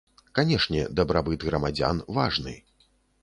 Канешне, дабрабыт грамадзян важны.